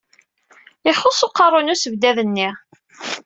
Ixuṣṣ uqerru n usebdad-nni.